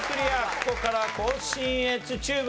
ここから甲信越中部。